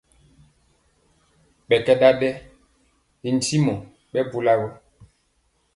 Ɓɛ kɛ ɗaɗɛ ko ntimo ɓɛ bula gɔ.